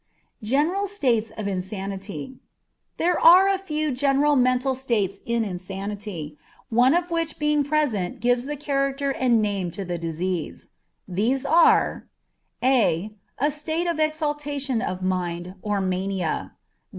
General States of Insanity. There are a few general mental states in insanity, one of which being present gives the character and name to the disease. These are: a. A state of exaltation of mind, or mania.